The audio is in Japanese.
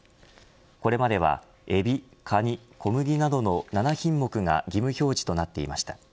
これまではエビ、カニ、小麦などの７品目が義務表示となっていました。